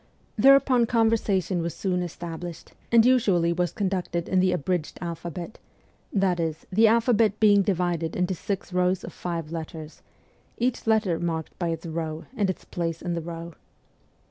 Thereupon conversation was soon established, and usually was conducted in the abridged alphabet ; that is, the alphabet being divided into six rows of five letters, each letter is marked by its row and its place in the row.